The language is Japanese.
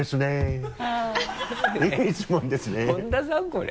これ。